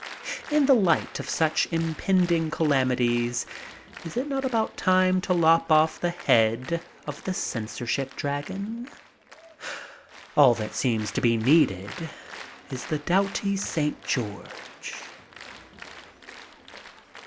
In the light of such impending calami ties, is it not about time to 1<^ off the head of the censorship dragon? All that seems to be needed is the doughty St. George.